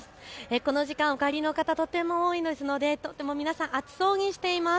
この時間、お帰りの方とても多いのでとっても皆さん暑そうにしています。